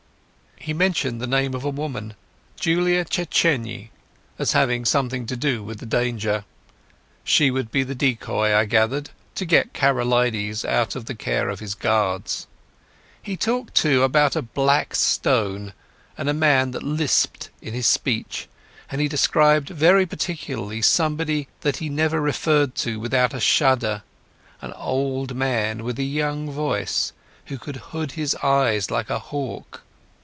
He mentioned the name of a woman—Julia Czechenyi—as having something to do with the danger. She would be the decoy, I gathered, to get Karolides out of the care of his guards. He talked, too, about a Black Stone and a man that lisped in his speech, and he described very particularly somebody that he never referred to without a shudder—an old man with a young voice who could hood his eyes like a hawk.